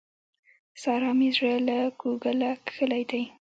سارا مې زړه له کوګله کښلی دی.